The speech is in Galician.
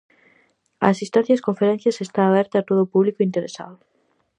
A asistencia ás conferencias está aberta a todo o público interesado.